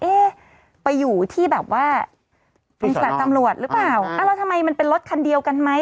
เอ๊ะไปอยู่ที่แบบว่าบริษัทตำรวจหรือเปล่าอ้าวแล้วทำไมมันเป็นรถคันเดียวกันไหม